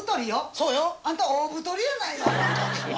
そうよ。あんた、大太りやないの。